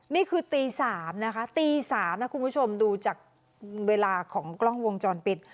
นี่คือตี๓นะคะตี๓นะคุณผู้ชมดูจากเวลาของกล้องวงจรปิด